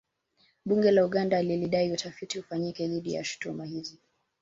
Bunge la Uganda lilidai utafiti ufanyike dhidi ya shutuma hizi